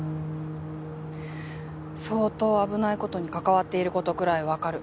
相当危ない事に関わっている事くらいわかる。